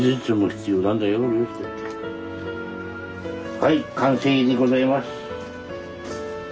はい完成でございます。